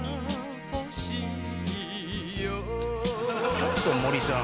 ちょっと森さん。